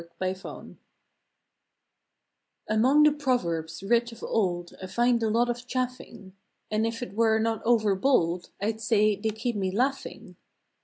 IN THE WOODS A MONG the proverbs writ of old I find ^ a lot of chaffing, And if it were not overbold I d say they keep me laughing.